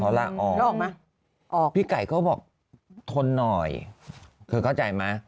เพราะละออกพี่ไก่ก็บอกทนหน่อยเธอเข้าใจมั้ย